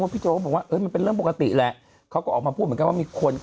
โจ๊ก็บอกว่ามันเป็นเรื่องปกติแหละเขาก็ออกมาพูดเหมือนกันว่ามีคน